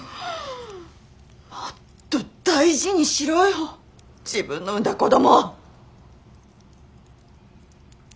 もっと大事にしろよ自分の産んだ子供！